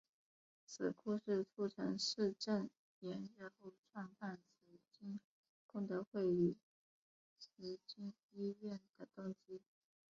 此故事促成释证严日后创办慈济功德会与慈济医院的动机。